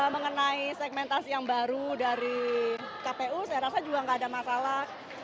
mengenai segmentasi yang baru dari kpu saya rasa juga nggak ada masalah